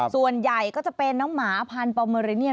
ส่วนใหญ่ก็จะเป็นน้องหมาพันธอเมอริเนียน